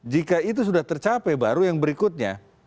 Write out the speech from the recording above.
jika itu sudah tercapai baru yang berikutnya